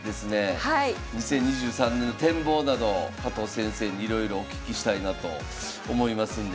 ２０２３年の展望など加藤先生にいろいろお聞きしたいなと思いますんで。